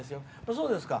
そうですか。